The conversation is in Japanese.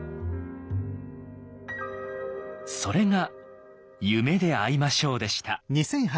それが「夢であいましょう」でした。